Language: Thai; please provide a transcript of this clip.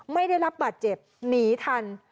ไม่ได้รับบาดเจ็บหนีทัน